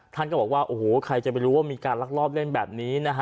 ท่านก็บอกว่าโอ้โหใครจะไปรู้ว่ามีการลักลอบเล่นแบบนี้นะฮะ